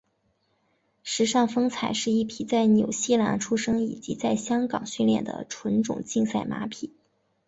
时尚风采是一匹在纽西兰出生以及在香港训练的纯种竞赛马匹。